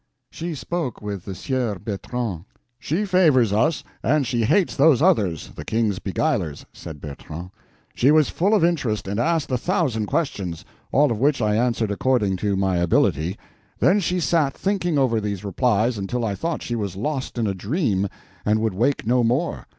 She spoke with the Sieur Bertrand." "She favors us, and she hates those others, the King's beguilers," said Bertrand. "She was full of interest, and asked a thousand questions, all of which I answered according to my ability. Then she sat thinking over these replies until I thought she was lost in a dream and would wake no more.